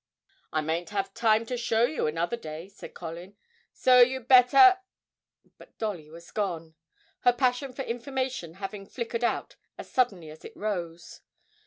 'I mayn't have time to show you another day,' said Colin, 'so you'd better ' But Dolly had gone her passion for information having flickered out as suddenly as it rose.